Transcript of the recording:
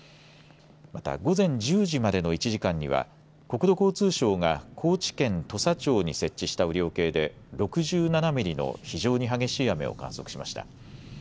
また午前１０時までの１時間には国土交通省が高知県土佐町に設置した雨量計で６７ミリの非常に激しい雨を観測しました。